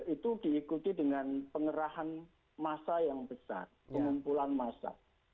itu diikuti dengan pengerahan masa yang besar pengumpulan massa